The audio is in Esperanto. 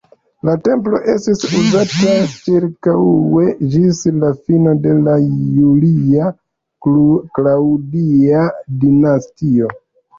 La templo estis uzata ĉirkaŭe ĝis la fino de la Julia-Klaŭdia dinastio.